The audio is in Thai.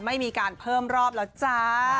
ไม่มีการเพิ่มรอบแล้วจ้า